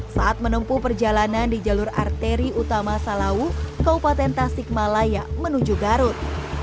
saat menempuh perjalanan di jalur arteri utama salawu kaupaten tas sigmalaya menuju garut